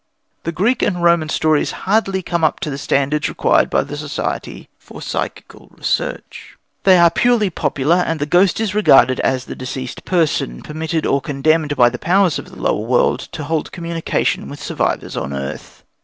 The Greek and Roman stories hardly come up to the standards required by the Society for Psychical Research. They are purely popular, and the ghost is regarded as the deceased person, permitted or condemned by the powers of the lower world to hold communication with survivors on earth.